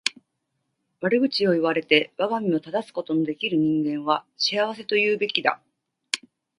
悪口を言われて我が身を正すことの出来る人間は幸せと言うべきだ。